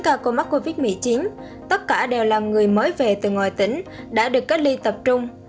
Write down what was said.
các ca mắc covid một mươi chín tất cả đều là người mới về từ ngoài tỉnh đã được cách ly tập trung